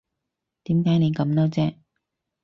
點解你咁嬲啫